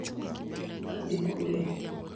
Adhi kulo